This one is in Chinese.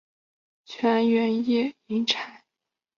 全缘叶银柴为大戟科银柴属下的一个种。